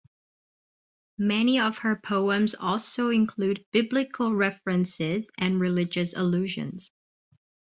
Many of her poems also include biblical references and religious allusions.